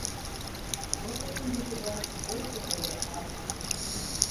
шопо кинде чызаш «кочкыш ыле аш!»